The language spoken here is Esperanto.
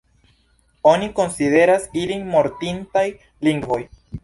Oni konsideras ilin mortintaj lingvoj.